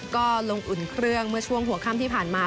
ก็ลงอุ่นเครื่องเมื่อช่วงหัวค่ำที่ผ่านมา